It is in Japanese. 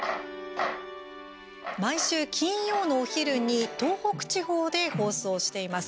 毎週金曜のお昼に東北地方で放送しています。